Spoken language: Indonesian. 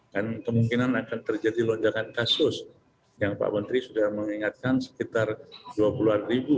dan kemungkinan akan terjadi lonjakan kasus yang pak menteri sudah mengingatkan sekitar dua puluh an ribu